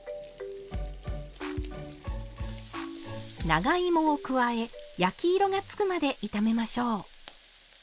長芋を加え焼き色が付くまで炒めましょう。